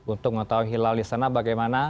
untuk mengetahui hilal di sana bagaimana